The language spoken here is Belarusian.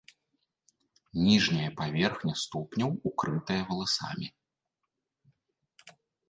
Ніжняя паверхня ступняў укрытая валасамі.